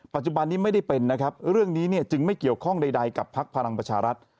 ปัจจุบันนี้ไม่ได้เป็นนะครับเรื่องนี้เนี่ยจึงไม่เกี่ยวข้องใดกับพักพลังประชารัฐ